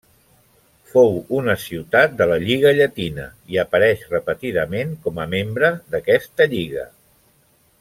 Fou una ciutat de la lliga Llatina i apareix repetidament com a membre d'aquesta lliga.